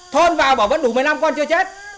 thôn vào bảo vẫn đủ một mươi năm con chưa chết